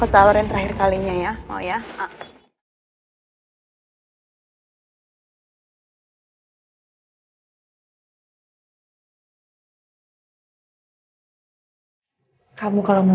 tidak ada yang bisa dihargai